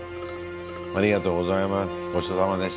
ありがとうございます。